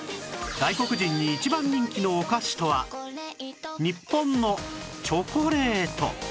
外国人に一番人気のお菓子とは日本のチョコレート